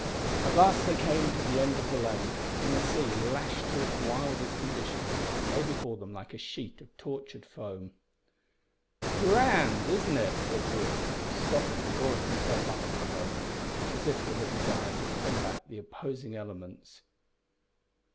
At last they came to the end of the lane, and the sea, lashed to its wildest condition, lay before them like a sheet of tortured foam. "Grand! isn't it?" said Brooke, stopping and drawing himself up for a moment, as if with a desire to combat the opposing elements.